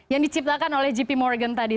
yang diciptakan oleh gp morgan tadi